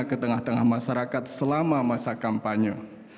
ke tengah tengah masyarakat selama masa kampanye